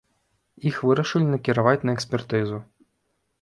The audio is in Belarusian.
Іх вырашылі накіраваць на экспертызу.